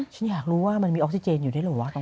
ฉันอยากรู้ว่ามันมีออกซิเจนอยู่ได้หรือเปล่า